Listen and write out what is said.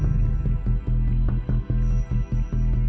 เวลาที่สุดท้าย